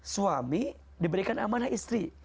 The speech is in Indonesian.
suami diberikan amanah istri